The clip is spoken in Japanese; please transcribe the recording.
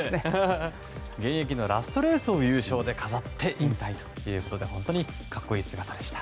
現役のラストレースを優勝で飾って引退ということで本当に格好いい姿でした。